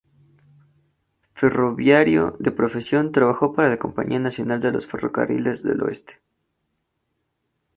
Ferroviario de profesión, trabajó para la Compañía Nacional de los Ferrocarriles del Oeste.